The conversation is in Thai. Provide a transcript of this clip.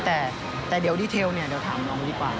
แต่สำคัญแล้วเดียวถามลองดีกว่า